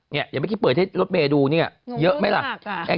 เนี่ยยังมันแค่เปิดที่รถเบอร์ดูเนี่ยเยอะไหมละ